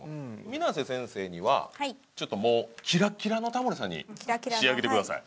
水瀬先生にはちょっともうキラッキラのタモリさんに仕上げてください。